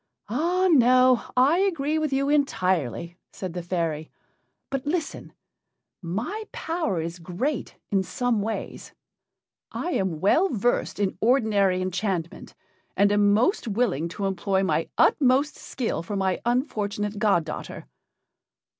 "Ah no! I agree with you entirely," said the fairy. "But listen my power is great in some ways. I am well versed in ordinary enchantment, and am most willing to employ my utmost skill for my unfortunate god daughter."